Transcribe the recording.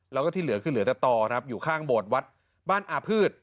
แล้วก็ที่เหลือคือเหลือแต่ต่อครับอยู่ข้างโบสถ์วัดบ้านอาพืช